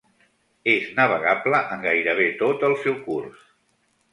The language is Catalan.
És navegable en gairebé tot el seu curs.